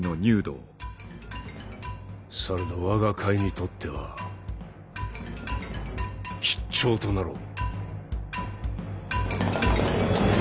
されど我が甲斐にとっては吉兆となろう。